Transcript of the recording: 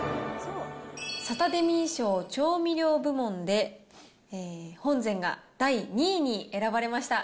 サタデミー賞調味料部門で、本膳が第２位に選ばれました。